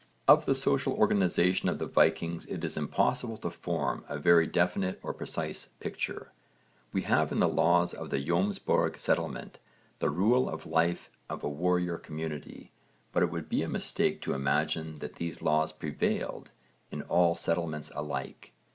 Of the social organisation of the Vikings it is impossible to form a very definite or precise picture. We have in the laws of the Jómsborg settlement (v. supra, p. 71) the rule of life of a warrior community, but it would be a mistake to imagine that these laws prevailed in all settlements alike.